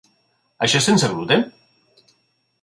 Això és sense gluten?